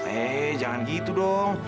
eh jangan gitu dong